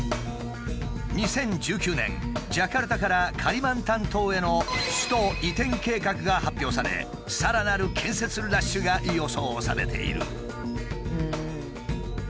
２０１９年ジャカルタからカリマンタン島への首都移転計画が発表されさらなる建設ラッシュが予想されている。